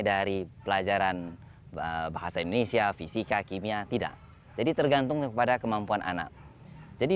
dari pelajaran bahasa indonesia fisika kimia tidak jadi tergantung kepada kemampuan anak jadi